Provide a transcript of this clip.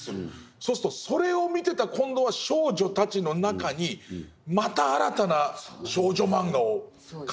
そうするとそれを見てた今度は少女たちの中にまた新たな少女漫画を描きたいという人たち。